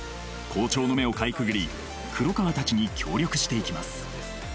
校長の目をかいくぐり黒川たちに協力していきます